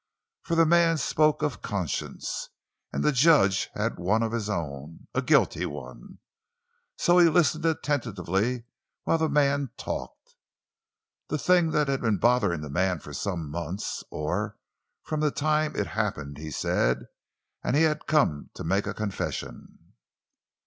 For the man spoke of conscience—and the judge had one of his own—a guilty one. So he listened attentively while the man talked. The thing had been bothering the man for some months—or from the time it happened, he said. And he had come to make a confession.